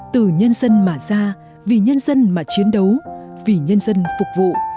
từ nhân dân mà ra vì nhân dân mà chiến đấu vì nhân dân phục vụ